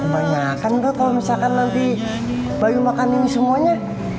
cuma kebanyakan kok kalau misalkan nanti bayu makan ini semuanya